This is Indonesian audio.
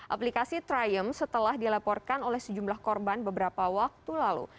aplikasi trium setelah dilaporkan oleh sejumlah korban beberapa waktu lalu